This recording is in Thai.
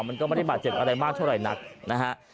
มันก็ไม่ได้บาดเจ็บอะไรมากเท่าไหร่นักนะฮะ